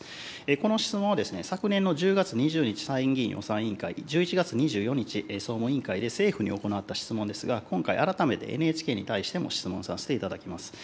この質問は、昨年の１０月２２日参議院予算委員会で１１月２４日総務委員会で、政府に行った質問ですが、今回、改めてＮＨＫに対しても質問させていただきます。